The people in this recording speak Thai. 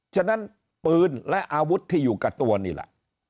ฉะนั้นปืนและอาวุธที่อยู่กับตัวนี่แหละ